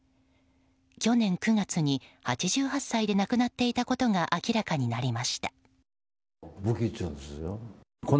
去年９月に８８歳で亡くなっていたことが明らかになりました。